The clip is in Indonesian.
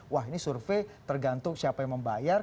wah ini survei tergantung siapa yang membayar